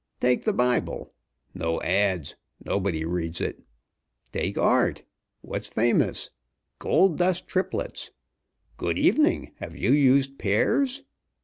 Take the Bible no ads.; nobody reads it. Take art; what's famous? 'Gold Dust Triplets;' 'Good evening, have you used Pear's?'